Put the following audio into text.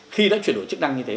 khi đã chuyển đổi chức năng như thế